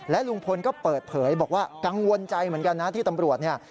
ลุงพลก็เปิดเผยบอกว่ากังวลใจเหมือนกันนะที่ตำรวจเนี่ย